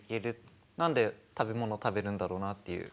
何で食べ物を食べるんだろうなっていう。